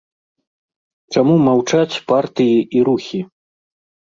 Чаму маўчаць партыі і рухі?